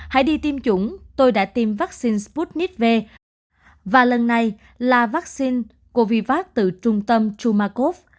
hãy đi tiêm chủng tôi đã tiêm vaccine sputnite v và lần này là vaccine covid từ trung tâm chumakov